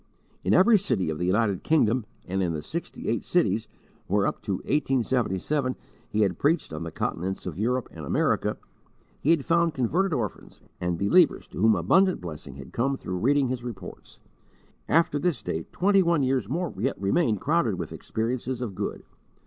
In every city of the United Kingdom and in the "sixty eight cities" where, up to 1877, he had preached on the continents of Europe and America, he had found converted orphans, and believers to whom abundant blessing had come through reading his reports. After this date, twenty one years more yet remained crowded with experiences of good.